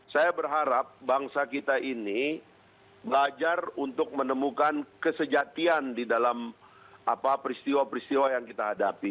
saya berharap bangsa kita ini belajar untuk menemukan kesejatian di dalam peristiwa peristiwa yang kita hadapi